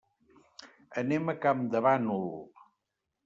Anem a Campdevànol.